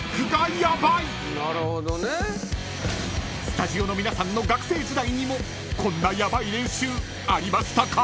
［スタジオの皆さんの学生時代にもこんなヤバい練習ありましたか？］